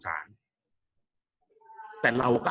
กับการสตรีมเมอร์หรือการทำอะไรอย่างเงี้ย